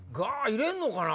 入れんのかな？